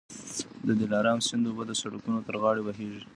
د دلارام سیند اوبه د سړکونو تر غاړه بهېږي.